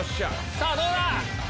さぁどうだ？